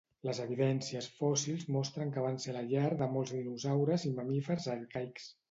Les evidències fòssils mostren que van ser la llar de molts dinosaures i mamífers arcaics.